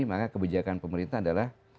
maka kebijakan pemerintah adalah